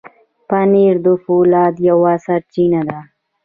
پنېر د فولاد یوه سرچینه ده.